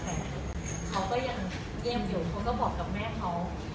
แต่เขาก็ยังเยี่ยมอยู่เขาก็บอกกับแม่เขา